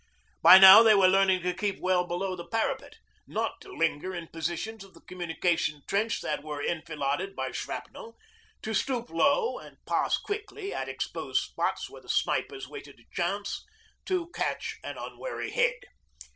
By now they were learning to keep well below the parapet, not to linger in portions of the communication trench that were enfiladed by shrapnel, to stoop low and pass quickly at exposed spots where the snipers waited a chance to catch an unwary head.